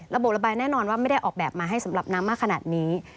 ระบายแน่นอนว่าไม่ได้ออกแบบมาให้สำหรับน้ำมากขนาดนี้